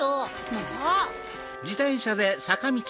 もう！